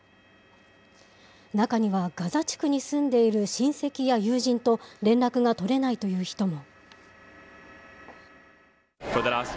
中にはガザ地区に住んでいる親戚や友人と連絡が取れないという人も。